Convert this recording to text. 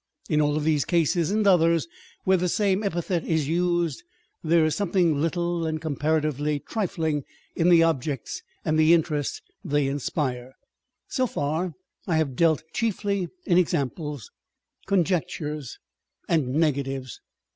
In all these cases (and others where the same epithet is used) there is some thing little and comparatively trifling in the objects and the interest they inspire. So far I deal chiefly in examples, conjectures, and negatives.